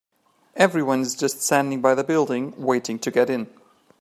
Everyone is just standing by the building, waiting to get in.